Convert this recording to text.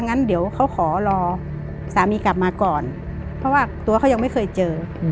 งั้นเดี๋ยวเขาขอรอสามีกลับมาก่อนเพราะว่าตัวเขายังไม่เคยเจอ